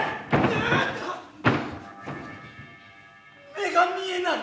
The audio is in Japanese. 目が見えない。